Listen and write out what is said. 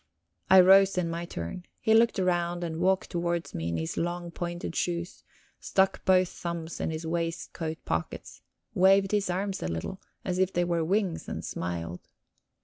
I rose in my turn. He looked round and walked towards me in his long, pointed shoes, stuck both thumbs in his waistcoat pockets, waved his arms a little, as if they were wings, and smiled.